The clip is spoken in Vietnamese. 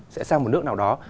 sẽ sang một nước nào đó